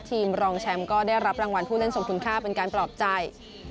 ทีมรองแชมป์ก็ได้รับรางวัลผู้เล่นสงค์ทุนค่าเป็นการปรับจ่าย